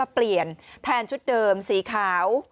เปลี่ยนแทนชุดเดิมสีขาว